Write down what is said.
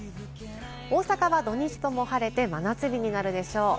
大阪は土日とも晴れて真夏日になるでしょう。